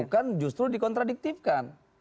bukan justru dikontradiktifkan